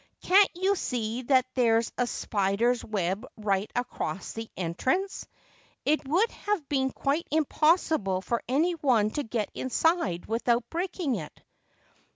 Can't you see that there is a spider's web right across the entrance ? It would have been quite impossible for any one to get inside without breaking it.